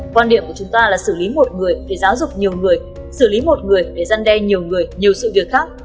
quan điểm của chúng ta là xử lý một người để giáo dục nhiều người xử lý một người để giăn đe nhiều người nhiều sự việc khác